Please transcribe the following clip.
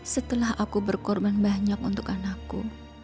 setelah aku berkorban banyak untuk anakku